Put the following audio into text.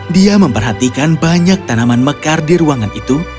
dia memperhatikan banyak tanaman mekar di ruangan itu